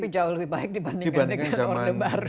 jauh lebih baik dibandingkan dengan